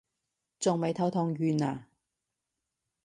仲未頭痛完啊？